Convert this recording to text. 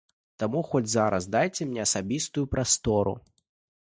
Таму хоць зараз дайце мне асабістую прастору.